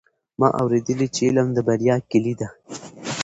ما اورېدلي چې علم د بریا کیلي ده.